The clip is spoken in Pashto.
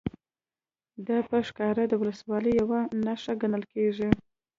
دا په ښکاره د ولسواکۍ یوه نښه ګڼل کېږي.